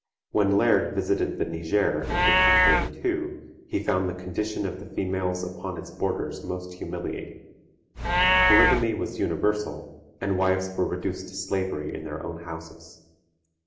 When Laird visited the Niger in 1832, he found the condition of the females upon its borders most humiliating. Polygamy was universal, and wives were reduced to slavery in their own houses.